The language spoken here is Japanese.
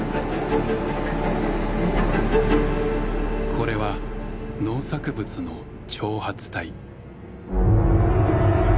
これは農作物の「徴発隊」。